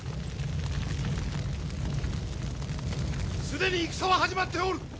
既に戦は始まっておる！